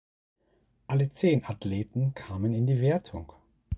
Alle zehn Athleten kamen in die Wertung.